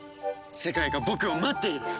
世界が僕を待っている！